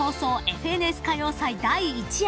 『ＦＮＳ歌謡祭』第１夜］